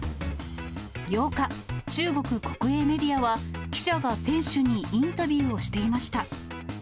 ８日、中国国営メディアは、記者が選手にインタビューをしていました。